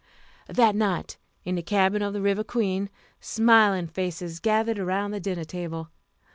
That night, in the cabin of the River Queen, smiling faces gathered around the dinner table.